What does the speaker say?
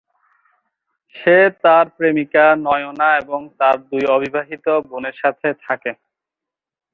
সে তার প্রেমিকা নয়না এবং তার দুই অবিবাহিত বোনের সাথে থাকে।